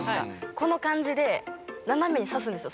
この感じで斜めに刺すんですよ